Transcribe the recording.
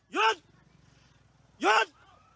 ยอดยอด